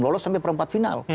lolos sampai perempat final